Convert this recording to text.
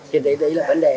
thì đấy là vấn đề